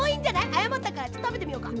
あやまったからちょっとたべてみようか。